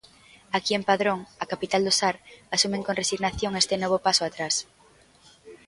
Aquí en Padrón, a capital do Sar, asumen con resignación este novo paso atrás.